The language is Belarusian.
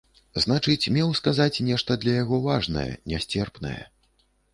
Значыць, меў сказаць нешта для яго важнае, нясцерпнае.